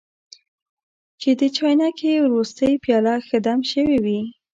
چې د چاینکې وروستۍ پیاله ښه دم شوې وي.